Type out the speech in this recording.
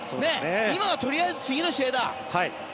今はとりあえず次の試合だ。